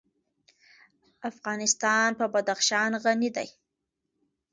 افغانستان په بدخشان غني دی.